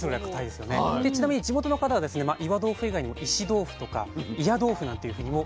ちなみに地元の方は岩豆腐以外にも石豆腐とか祖谷豆腐なんていうふうにも。